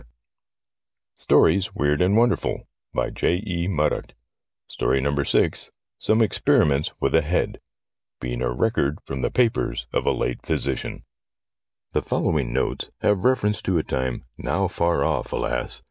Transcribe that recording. p 2 68 STORIES WEIRD AND WONDERFUL VI SOME EXPERIMENTS WITH A HEAD BEING A RECORD FROM THE PAPERS OP A LATE PHYSICIAN The following notes have reference to a time, now far off, alas